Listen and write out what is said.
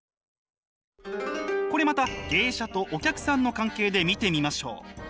これまた芸者とお客さんの関係で見てみましょう。